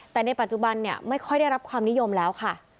แต่ในปัจจุบันไม่ค่อยได้รับความนิยมแล้วค่ะ